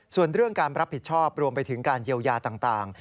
ส่วนเรื่องการรับผิดชอบรวมไปถึงการเยียวยาต่าง